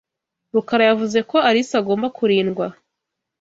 Rukara yavuze ko Alice agomba kurindwa.